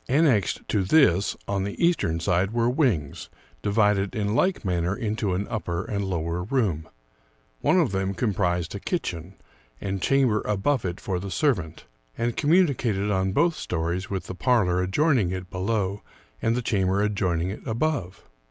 Annexed to this, on the eastern side, were wings, divided in like manner into an upper and lower room; one of them comprised a kitchen, and chamber above it for the servant, and communicated on both stories with the parlor adjoining it below and the chamber adjoining it above.